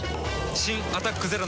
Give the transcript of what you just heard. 新「アタックＺＥＲＯ」